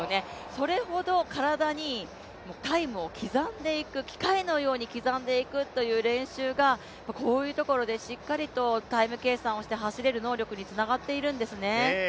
それほど体にタイムを刻んでいく、機械のように刻んでいくという練習がこういうところでしっかりとタイム計算をして走れる能力につながっているんですね。